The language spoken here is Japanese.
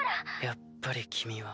やっぱり君は。